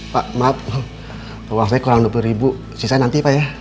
pak maaf uang saya kurang dua puluh ribu sisa nanti pak ya